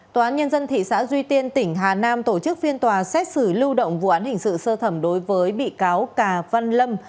tòa án nhân dân thị xã duy tiên tỉnh hà nam tổ chức phiên tòa xét xử lưu động vụ án hình sự sơ thẩm đối với bị cáo cà văn lâm